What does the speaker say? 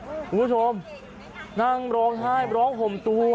คุณผู้ชมนั่งร้องไห้ร้องห่มตัว